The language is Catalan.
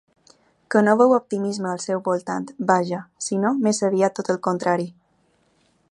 Que no veu optimisme al seu voltant, vaja, sinó més aviat tot el contrari.